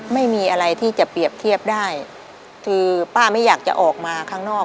ไม่มีอะไรที่จะเปรียบเทียบได้คือป้าไม่อยากจะออกมาข้างนอก